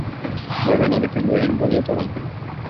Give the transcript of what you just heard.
Baimen hori kendu egingo diote orain.